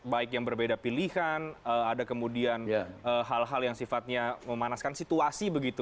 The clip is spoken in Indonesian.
baik yang berbeda pilihan ada kemudian hal hal yang sifatnya memanaskan situasi begitu